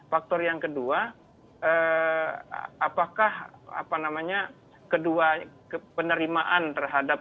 faktor yang kedua apakah apa namanya kedua penerimaan terhadap